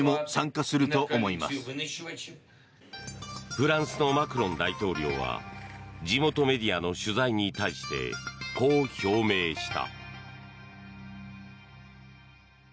フランスのマクロン大統領は地元メディアの取材に対してこう表明した。